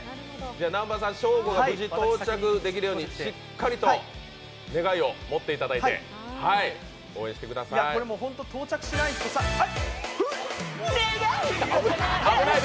南波さん、ショーゴが無事到着できるようにしっかりと願いを持っていただいてこれ、本当に到着しないと願いよかなえ